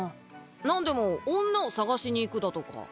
なんでも女を捜しに行くだとか。